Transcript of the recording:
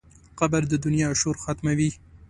قبر د دنیا شور ختموي.